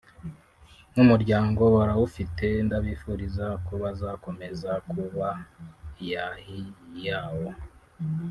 n’umuryango barawufite ndabifuriza ko bazakomeza kuba yahi yawo